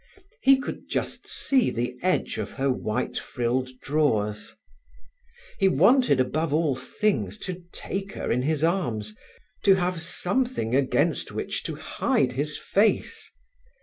He could just see the edge of her white frilled drawers. He wanted, above all things, to take her in his arms, to have something against which to hide his face.